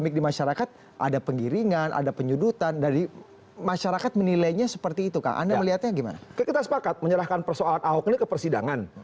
kita sepakat menyerahkan persoalan ahok ini ke persidangan